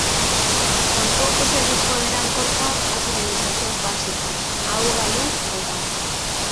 Tampouco se lles poderán cortar as subministracións básicas: auga, luz e gas.